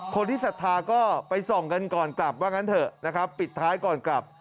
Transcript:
ศรัทธาก็ไปส่องกันก่อนกลับว่างั้นเถอะนะครับปิดท้ายก่อนกลับ